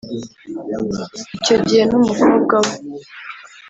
Icyo gihe n’umukobwa we